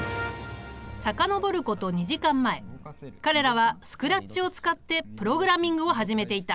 遡ること２時間前彼らはＳｃｒａｔｃｈを使ってプログラミングを始めていた。